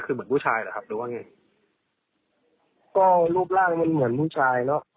คือเหมือนผู้ชายแหละครับหรือว่าไงก็รูปร่างมันเหมือนผู้ชายเนอะ